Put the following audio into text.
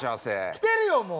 来てるよもう！